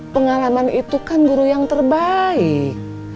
pengalaman itu kan guru yang terbaik